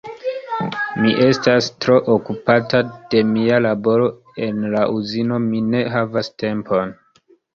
Mi estas tro okupata de mia laboro en la Uzino, mi ne havas tempon...